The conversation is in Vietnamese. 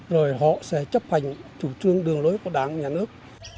rồi họ sẽ chấp hành chủ trương đường lối của đảng nhà nước